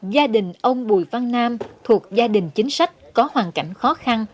gia đình ông bùi văn nam thuộc gia đình chính sách có hoàn cảnh khó khăn